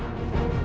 terima kasih pak